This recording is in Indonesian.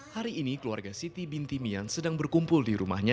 hari ini keluarga siti binti mian sedang berkumpul di rumahnya